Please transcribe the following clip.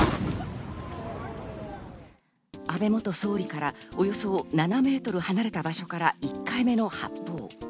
安倍元総理からおよそ７メートル離れた場所から１回目の発砲。